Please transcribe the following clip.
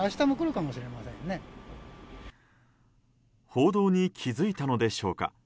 報道に気づいたのでしょうか。